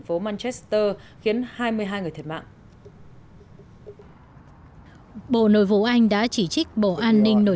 phố manchester khiến hai mươi hai người thiệt mạng bộ nội vụ anh đã chỉ trích bộ an ninh nội